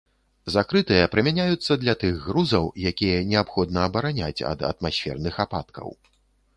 Закрытыя прымяняюцца для тых грузаў, якія неабходна абараняць ад атмасферных ападкаў.